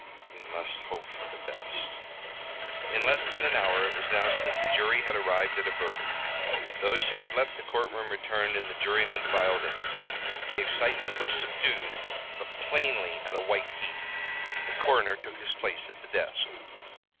"We must hope for the best." In less than an hour it was announced that the jury had arrived at a verdict. Those who had left the courtroom returned and the jurymen filed in. The excitement was subdued, but plainly at a white heat. The coroner took his place at the desk.